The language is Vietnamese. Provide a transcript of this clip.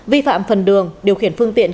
vi phạm phần đường điều khiển phương tiện